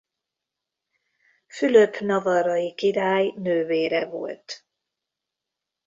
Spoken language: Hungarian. Fülöp navarrai király nővére volt.